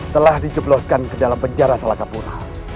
telah dikebloskan ke dalam penjara salakapura